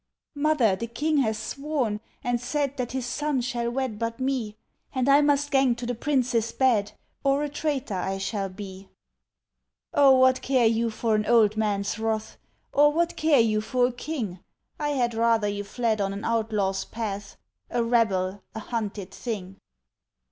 "Mother, the King has sworn, and said That his son shall wed but me; And I must gang to the prince's bed, Or a traitor I shall be." "Oh, what care you for an old man's wrath? Or what care you for a king? I had rather you fled on an outlaw's path, A rebel, a hunted thing."